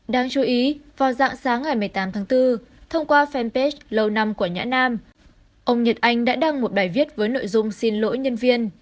đáng chú ý vào dạng sáng ngày một mươi tám tháng bốn thông qua fanpage lâu năm của nhã nam ông nhật anh đã đăng một bài viết với nội dung xin lỗi nhân viên